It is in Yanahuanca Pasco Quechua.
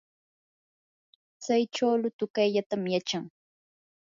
tsay chuulu tuqayllatam yachan.